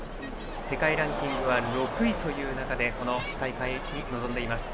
世界ランキングは６位という中でこの大会に臨んでいます。